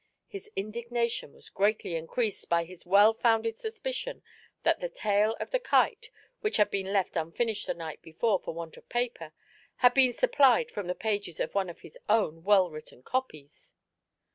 His indignation was greatly increased by his well founded suspicion that the tail of the kite, which had been left un finished the night before for want of paper, had been sup plied from the pages of one of his own well written copies.